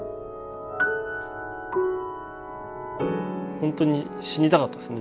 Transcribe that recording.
ほんとに死にたかったですね